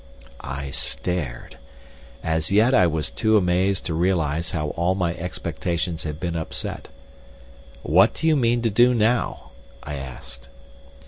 I stared. As yet I was too amazed to realise how all my expectations had been upset. "What do you mean to do now?" I asked.